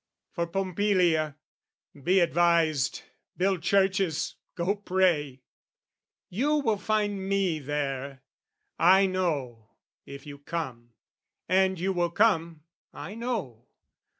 For Pompilia be advised, Build churches, go pray! You will find me there, I know, if you come, and you will come, I know.